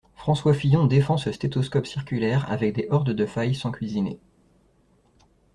François Fillon défend ce stéthoscope circulaire avec des hordes de failles sans cuisiner.